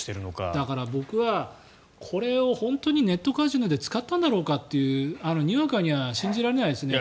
だから、僕はこれを本当にネットカジノで使ったんだろうかとにわかには信じられないですね。